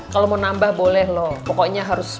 kalau mau nambah boleh loh pokoknya harus